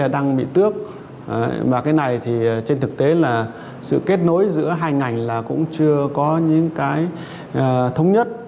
đấy là sự kết nối giữa hai ngành là cũng chưa có những cái thống nhất